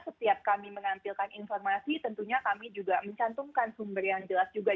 setiap kami menampilkan informasi tentunya kami juga mencantumkan sumber yang jelas juga